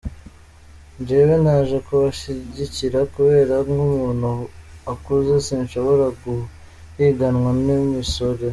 Jewe naje kubashigikira kubera nk'umuntu akuze sinshobora guhiganwa n'imisore".